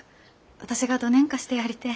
私がどねんかしてやりてえ。